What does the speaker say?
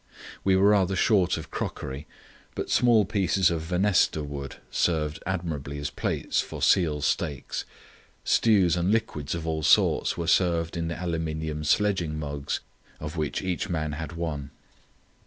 We were rather short of crockery, but small pieces of venesta wood served admirably as plates for seal steaks; stews and liquids of all sorts were served in the aluminium sledging mugs, of which each man had one.